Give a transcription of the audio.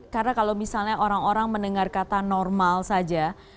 karena kalau misalnya orang orang mendengar kata normal saja